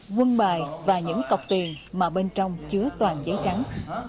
quân bài và những cọc tiền mà bên trong chứa toàn giấy trắng